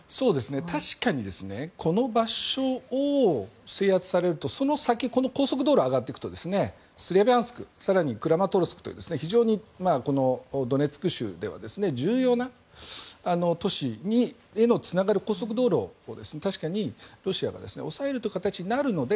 確かにこの場所を制圧されるとその先この高速道路を上がっていくとスラビャンスク更にクラマトルスクという非常にこのドネツク州では重要な都市へつながる高速道路を確かにロシアが押さえるという形になるので